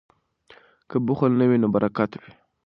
که بخل نه وي نو برکت وي.